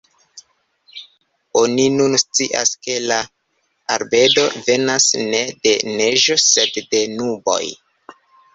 Oni nun scias ke la albedo venas ne de neĝo sed de nuboj.